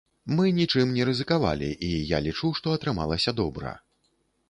Мы нічым не рызыкавалі, і я лічу, што атрымалася добра.